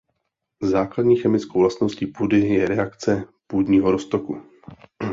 Základní chemickou vlastností půdy je reakce půdního roztoku.